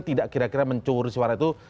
tidak kira kira mencuri suara itu